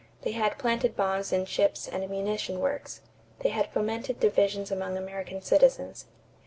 They had planted bombs in ships and munition works. They had fomented divisions among American citizens.